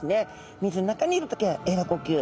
水の中にいる時はえら呼吸。